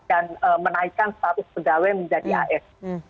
dan menaikkan status pegawai menjadi as